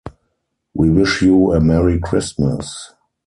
We wish you a merry Christmas!